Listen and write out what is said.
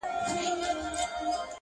ستا د سترگو په بڼو کي را ايسار دي